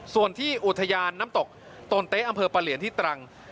ส่วนที่อุทยานน้ำตกโตนเต๊อำเภอปะเหลียนที่ตรัง